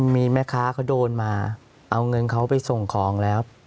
มีแม่ค้าเขาโดนมาเอาเงินเขาไปส่งของแล้ว